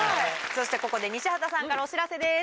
そしてここで西畑さんからお知らせです。